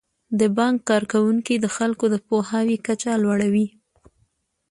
د بانک کارکوونکي د خلکو د پوهاوي کچه لوړوي.